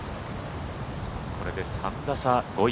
これで３打差５位